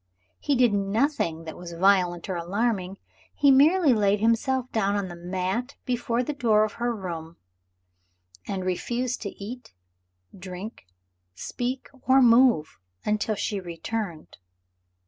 He did nothing that was violent or alarming he merely laid himself down on the mat before the door of her room, and refused to eat, drink, speak, or move, until she returned.